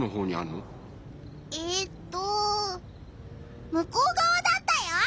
えっとむこうがわだったよ！